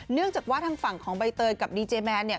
เนื่องจากว่าทางฝั่งของใบเตยกับดีเจแมนเนี่ย